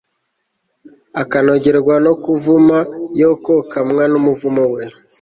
akanogerwa no kuvuma, yokokamwa n'umuvumo we